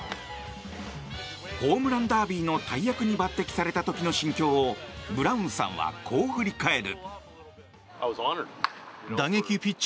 ホームランダービーの大役に抜擢された時の心境をブラウンさんはこう振り返る。